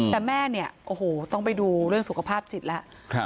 แต่แม่เนี่ยโอ้โหต้องไปดูเรื่องสุขภาพจิตแล้ว